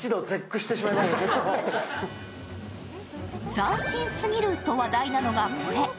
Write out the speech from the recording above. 斬新すぎると話題なのがこれ。